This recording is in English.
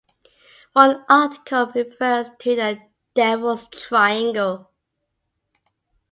One article refers to the "Devil's Triangle".